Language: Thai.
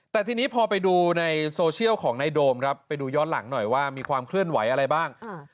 แต่ทีนี้พอไปดูในโซเชียลของนายโดมครับไปดูย้อนหลังหน่อยว่ามีความเคลื่อนไหวอะไรบ้าง